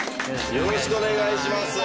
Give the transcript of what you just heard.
よろしくお願いします。